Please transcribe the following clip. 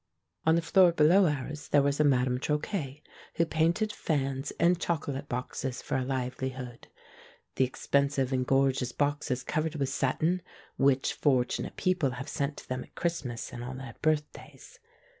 On the floor below ours there was a madame Troquet, who painted fans and choco late boxes for a livelihood — the expensive and gorgeous boxes covered with satin, which for tunate people have sent to them at Christmas, and on their birthdays.